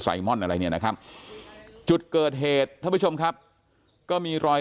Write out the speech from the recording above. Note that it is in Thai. ม่อนอะไรเนี่ยนะครับจุดเกิดเหตุท่านผู้ชมครับก็มีรอย